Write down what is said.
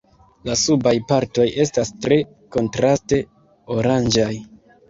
La subaj partoj estas tre kontraste oranĝaj.